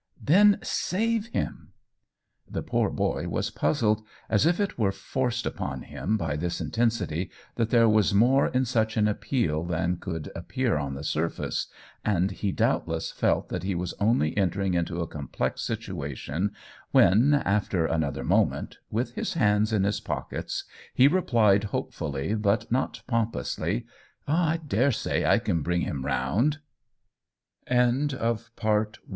" Then save him I" The poor boy was puzzled, as if it were forced upon him by this intensity that there was more in such an appeal than could ap pear on the surface ; and he doubtless felt that he was only entering into a complex situation when, after another moment, with his hands in his pockets, he replied hope fully but not pompously :" I dare say I can